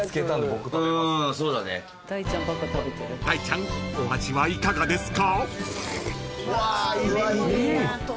［大ちゃんお味はいかがですか？］